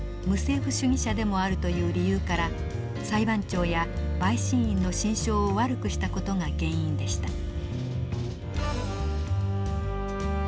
無政府主義者でもあるという理由から裁判長や陪審員の心証を悪くした事が原因でした。